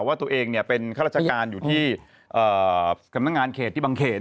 ว่าตัวเองเป็นข้าราชการอยู่ที่สำนักงานเขตที่บางเขต